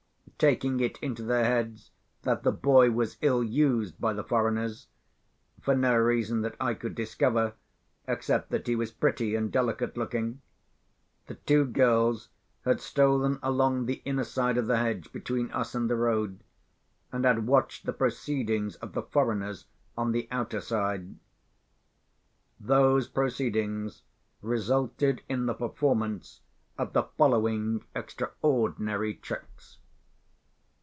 Taking it into their heads that the boy was ill used by the foreigners—for no reason that I could discover, except that he was pretty and delicate looking—the two girls had stolen along the inner side of the hedge between us and the road, and had watched the proceedings of the foreigners on the outer side. Those proceedings resulted in the performance of the following extraordinary tricks.